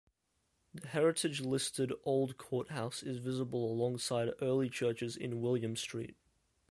The Heritage listed Old Courthouse is visible alongside early churches in William Street.